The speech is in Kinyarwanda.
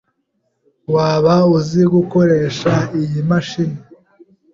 Waba uzi gukoresha iyi mashini?